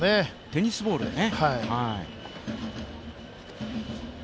テニスボールでね。